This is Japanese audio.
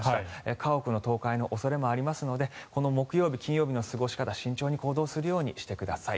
家屋の倒壊の恐れもありますのでこの木曜日、金曜日の過ごし方慎重に行動するようにしてください。